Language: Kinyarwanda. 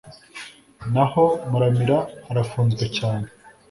naho muramira arafunzwe cyane